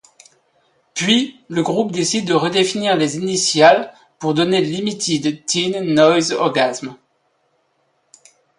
Puis, le groupe décide de redéfinir les initiales pour donner Limited Teen Noise Orgasm.